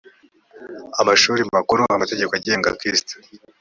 amashuri makuru amategeko agenga kist